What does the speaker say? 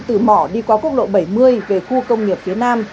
từ mò đi qua cốt lộ bảy mươi về khu công nghiệp phía nam